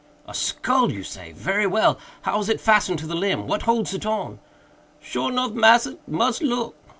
"A skull, you say!—very well—how is it fastened to the limb?—what holds it on?" "Sure nuff, massa; mus look.